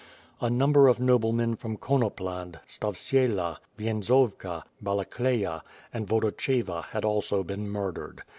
A nu inner c ' noblemen from Konopland, Stavsiela, Vienzovka, Bal^kleya, and Vodacheva had also been mur dered.